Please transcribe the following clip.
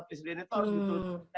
presiden itu harus gitu